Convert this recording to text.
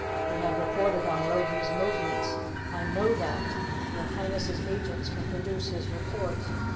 He had reported on Logie's movements I know that your Highness's agents can produce his report.